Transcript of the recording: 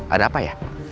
ada apa ya